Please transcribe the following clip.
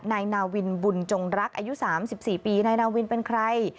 นายนาวินบุญจงรักอายุ๓๔ปีนายนาวินเป็นใคร